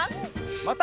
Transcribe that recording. また。